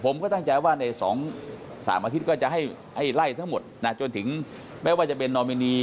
ผมก็ตั้งใจว่าใน๒๓อาทิตย์ก็จะให้ไล่ทั้งหมดจนถึงแม้ว่าจะเป็นนอมินี